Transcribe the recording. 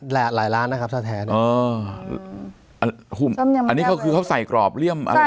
หลายล้านนะครับถ้าแท้นี่อ๋ออันนี้ก็คือเขาใส่กรอบเรียม